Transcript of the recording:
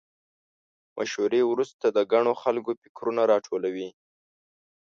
مشورې وروسته د ګڼو خلکو فکرونه راټول وي.